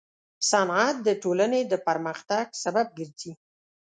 صنعت د ټولنې د پرمختګ سبب ګرځي.